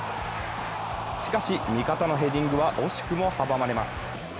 しかし、味方のヘディングは惜しくも阻まれます。